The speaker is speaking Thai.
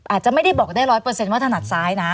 อาจจะไม่ได้บอกได้๑๐๐ว่าถนัดซ้ายนะ